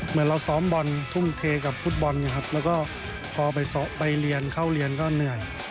เหมือนเราซ้อมบอลทุ่มเทกับฟุตบอลนะครับแล้วก็พอไปเรียนเข้าเรียนก็เหนื่อย